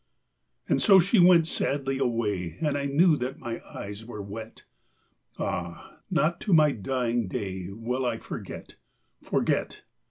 And so she went sadly away, And I knew that my eyes were wet. Ah, not to my dying day Will I forget, forget!